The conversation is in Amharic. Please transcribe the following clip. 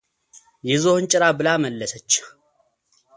የዝሆን ጭራ ብላ መለሰች፡፡